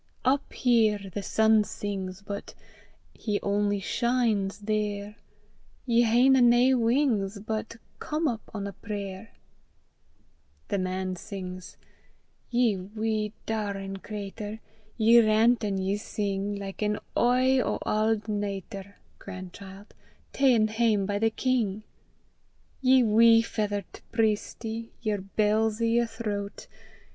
Up here the sun sings, but He only shines there! Ye haena nae wings, but Come up on a prayer. THE MAN SINGS: Ye wee daurin' cratur, Ye rant an' ye sing Like an oye (grandchild) o' auld Natur Ta'en hame by the King! Ye wee feathert priestie, Yer bells i' yer thro't.